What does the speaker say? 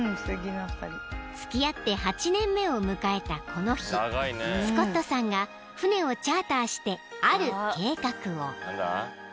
［を迎えたこの日スコットさんが船をチャーターしてある計画を］